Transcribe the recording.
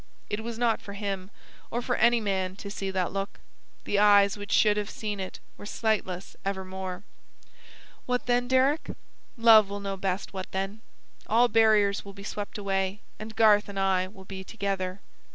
It was not for him, or for any man, to see that look. The eyes which should have seen it were sightless evermore. "What then, Deryck? Love will know best what then. All barriers will be swept away, and Garth and I will be together."